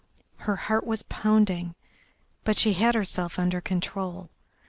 Her heart was pounding, but she had herself under control.